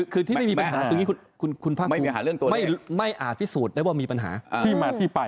คือที่ไม่มีปัญหานะคือคืออย่างงี้คุณภาครูไม่อาจวิสูจน์ได้ว่ามีปัญหาด้วยเลยไม่รู้ไง